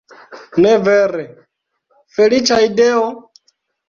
Ne vere, feliĉa ideo?